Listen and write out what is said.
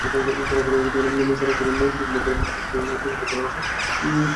সরাসরি মূল প্রসঙ্গে চলে আসি।